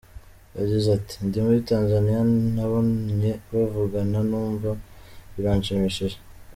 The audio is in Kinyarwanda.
Yagize ati "Ndi muri Tanzaniya nababonye bavugana numva biranshimishije.